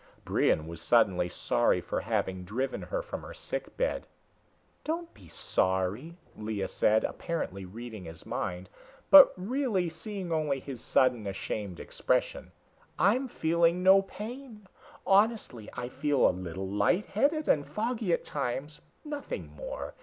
Brion was suddenly sorry for having driven her from her sick bed. "Don't be sorry!" Lea said, apparently reading his mind, but really seeing only his sudden ashamed expression. "I'm feeling no pain. Honestly. I feel a little light headed and foggy at times, nothing more.